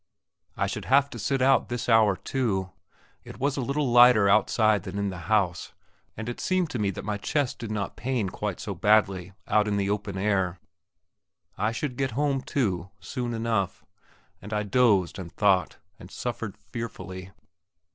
I should have to sit out this hour, too. It was a little lighter outside than in the house, and it seemed to me that my chest did not pain quite so badly out in the open air. I should get home, too, soon enough and I dozed, and thought, and suffered fearfully.